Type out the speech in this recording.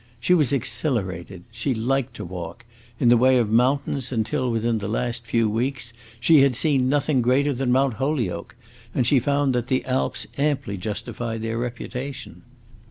She was exhilarated; she liked to walk; in the way of mountains, until within the last few weeks, she had seen nothing greater than Mount Holyoke, and she found that the Alps amply justified their reputation.